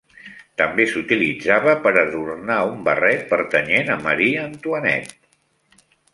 També s'utilitzava per adornar un barret pertanyent a Marie Antoinette.